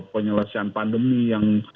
penyelesaian pandemi yang